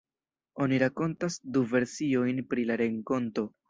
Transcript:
Oni rakontas du versiojn pri la renkonto.